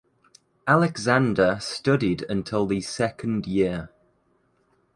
Alexander studied until the second year.